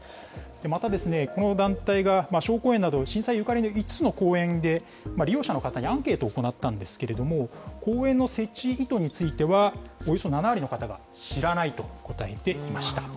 また、この団体が小公園など、震災ゆかりの５つの公園で利用者の方にアンケートを行ったんですけれども、公園の設置意図については、およそ７割の方が知らないと答えていました。